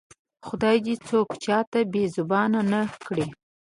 خدای دې څوک چاته بې زبانه نه کړي